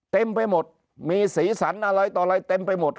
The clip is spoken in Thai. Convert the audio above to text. เต็มไปหมดมีสีสันอะไรต่ออะไรเต็มไปหมด